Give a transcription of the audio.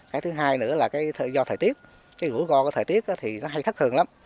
cái thứ hai nữa là cái do thời tiết cái rủi ro của thời tiết thì nó hay thất thường lắm